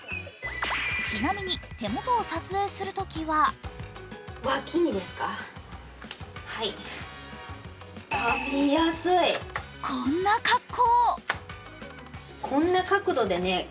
ちなみに手元を撮影するときはこんな格好。